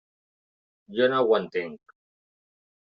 Jo no ho entenc.